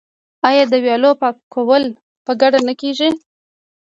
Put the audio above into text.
آیا د ویالو پاکول په ګډه نه کیږي؟